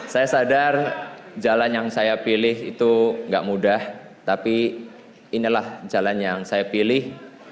saya sadar jalan yang saya pilih itu gak mudah tapi inilah jalan yang saya pilih